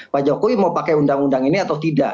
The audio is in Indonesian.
pak jokowi mau pakai undang undang ini atau tidak